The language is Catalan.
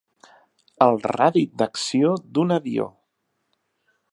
El radi d'acció d'un avió.